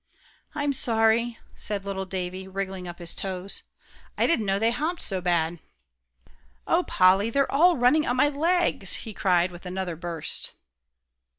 "I'm sorry," said little Davie, wriggling up his toes; "I didn't know they hopped so bad. Oh, Polly, they're all running up my legs," he cried with another burst.